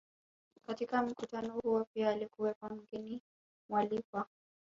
Katika mkutano huo pia alikuwepo mgeni mwalikwa